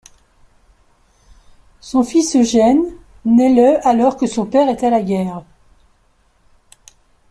Son fils, Eugène, naît le alors que son père est à la guerre.